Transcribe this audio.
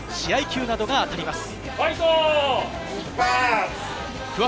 球などが当たります。